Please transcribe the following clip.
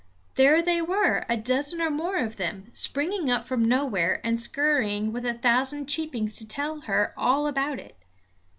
There they were, a dozen or more of them, springing up from nowhere and scurrying with a thousand cheepings to tell her all about it.